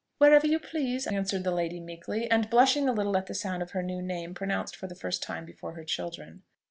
"Wherever you please," answered the lady meekly, and blushing a little at the sound of her new name pronounced for the first time before her children.